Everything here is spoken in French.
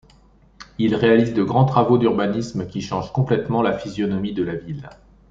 Il réalise de grands travaux d'urbanisme qui changent complètement la physionomie de la ville.